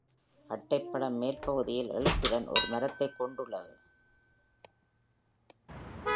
அட்டைப்படம் மேல் பகுதியில் எழுத்துடன் ஒரு மரத்தைக் கொண்டுள்ளது.